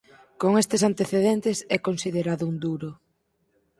Con estes antecedentes é considerado un duro.